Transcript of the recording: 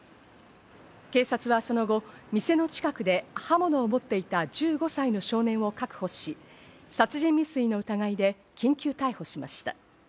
警察はその後、店の近くで刃物を持っていた１５歳の少年を確保し、殺人未遂の疑いで緊急逮捕しました。